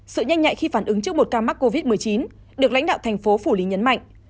sự nhanh nhạy khi phản ứng trước một ca mắc covid một mươi chín được lãnh đạo thành phố phủ lý nhấn mạnh